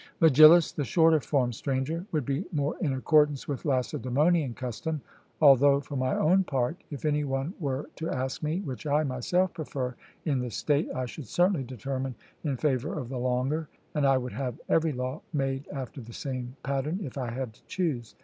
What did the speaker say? MEGILLUS: The shorter form, Stranger, would be more in accordance with Lacedaemonian custom; although, for my own part, if any one were to ask me which I myself prefer in the state, I should certainly determine in favour of the longer; and I would have every law made after the same pattern, if I had to choose.